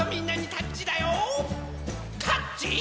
タッチ！